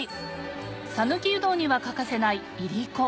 讃岐うどんには欠かせない「いりこ」